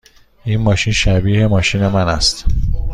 این ماشین شبیه ماشین من است.